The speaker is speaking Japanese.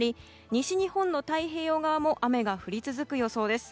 西日本の太平洋側も雨が降り続く予想です。